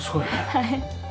はい。